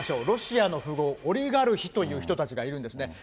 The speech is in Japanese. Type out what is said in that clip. ロシアの富豪、オリガルヒという人たちがいるんですね。